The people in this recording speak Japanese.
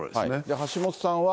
橋下さんは。